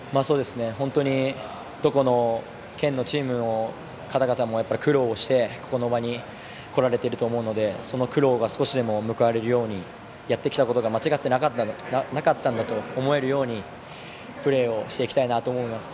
本当にどこの県のチームの方々も苦労をして、ここの場に来られていると思うのでその苦労が少しでも報われるようにやってきたことが間違っていなかったんだと思えるようにプレーをしていきたいなと思います。